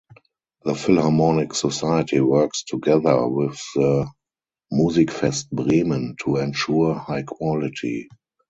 The Philharmonic Society works together with the "Musikfest Bremen" to ensure high quality.